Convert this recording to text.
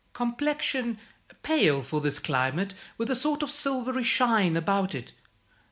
Complexion, pale for this climate, with a sort of silvery shine about it.